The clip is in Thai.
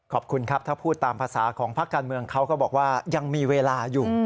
ขอบคุณครับถ้าพูดตามภาษาของพักการเมืองเขาก็บอกว่ายังมีเวลาอยู่